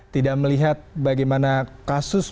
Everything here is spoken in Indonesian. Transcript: tidak melihat bagaimana kasus